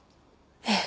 ええ。